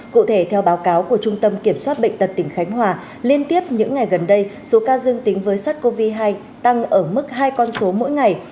cụ thể theo báo cáo của trung tâm kiểm soát bệnh tật tỉnh khánh hòa liên tiếp những ngày gần đây số ca dương tính với sars cov hai tăng ở mức hai con số mỗi ngày